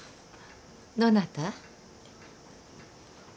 どなた？